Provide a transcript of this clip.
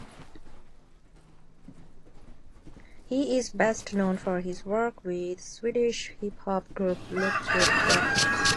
He is best known for his work with Swedish hip-hop group Looptroop Rockers.